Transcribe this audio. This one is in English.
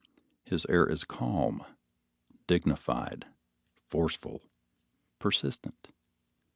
His air is calm, dignified, forceful, persistent.